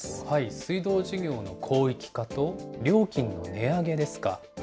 水道事業の広域化と、料金の値上げですか。